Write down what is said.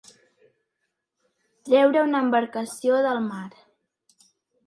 Treure una embarcació del mar.